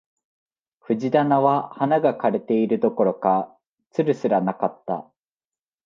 藤棚は花が枯れているどころか、蔓すらなかった